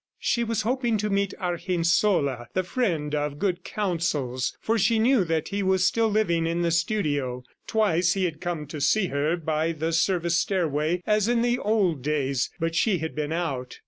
She was hoping to meet Argensola, the friend of good counsels, for she knew that he was still living in the studio. Twice he had come to see her by the service stairway as in the old days, but she had been out.